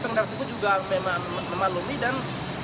pengendara tersebut juga memang memalumi dan